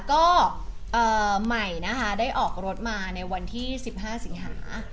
ก็ใหม่นะคะได้ออกรถมาในวันที่๑๕สิงหา